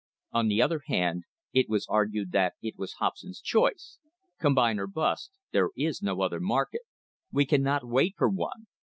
On the other hand, it was argued that it was Hobson's choice, "combine or bust," there is no other market. We cannot wait for one.